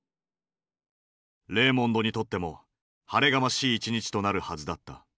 レーモンドにとっても晴れがましい一日となるはずだった。